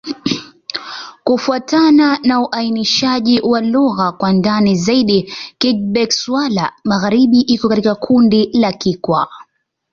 Kufuatana na uainishaji wa lugha kwa ndani zaidi, Kigbe-Xwla-Magharibi iko katika kundi la Kikwa.